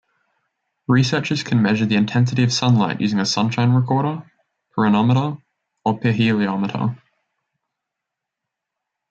Researchers can measure the intensity of sunlight using a sunshine recorder, pyranometer, or pyrheliometer.